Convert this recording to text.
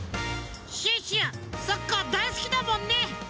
シュッシュサッカーだいすきだもんね！